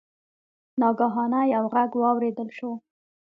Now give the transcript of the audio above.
ناګهانه یو غږ واوریدل شو.